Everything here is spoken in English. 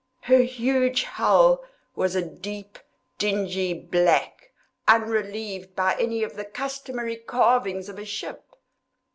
Her huge hull was of a deep dingy black, unrelieved by any of the customary carvings of a ship.